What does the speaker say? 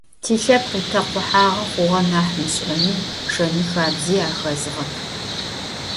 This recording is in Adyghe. Тилъэпкъ итэкъухьагъэ хъугъэ нахь мышӏэми, шэни хабзи ахэзыгъэп.